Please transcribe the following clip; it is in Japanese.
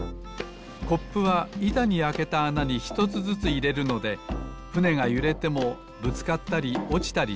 コップはいたにあけたあなにひとつずついれるのでふねがゆれてもぶつかったりおちたりしません。